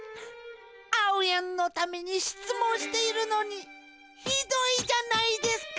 あおやんのためにしつもんしているのにひどいじゃないですか！